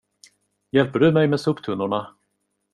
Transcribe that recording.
Hjälper du mig med soptunnorna?